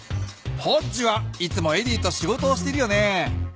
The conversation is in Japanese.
ホッジはいつもエディと仕事をしてるよね。